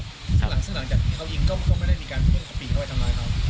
หลังจากเขายิงก็ไม่ได้มีการพูดกับปีเข้าไปทำร้ายเขา